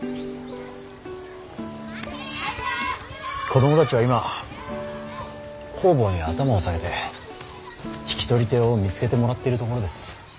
子供たちは今方々に頭を下げて引き取り手を見つけてもらってるところです。